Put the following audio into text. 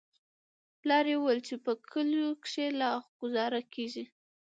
پلار يې ويل چې په کليو کښې لا گوزاره کېږي.